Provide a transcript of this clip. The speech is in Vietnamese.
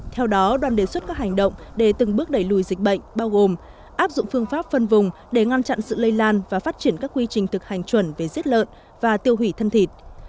theo đó đoàn đề xuất các hành động để từng bước đẩy lùi dịch bệnh bao gồm áp dụng phương pháp phân vùng để ngăn chặn sự lây lan và phát triển các quy trình thực hành chuẩn về giết lợn và tiêu hủy thân thịt